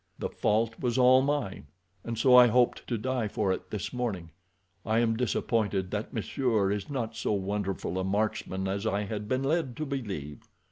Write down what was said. The fault was all mine, and so I hoped to die for it this morning. I am disappointed that monsieur is not so wonderful a marksman as I had been led to believe."